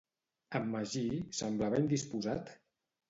En Magí semblava indisposat?